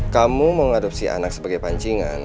kamu mengadopsi anak sebagai pancingan